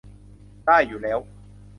ได้อยู่แล้ว